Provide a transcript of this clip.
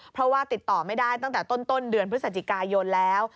เพราะว่าติดต่อไม่ได้ตั้งแต่ต้นเดือนพฤศจิกายนแล้ว